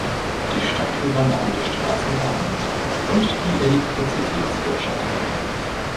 Die Stadt übernahm die Straßenbahn und die Elektrizitätswirtschaft.